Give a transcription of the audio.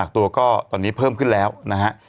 สีวิต้ากับคุณกรนิดหนึ่งดีกว่านะครับแฟนแห่เชียร์หลังเห็นภาพ